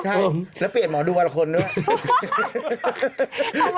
ใช่แล้วเปรียบเหมาะดูบรรคลด้วย